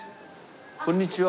こんにちは。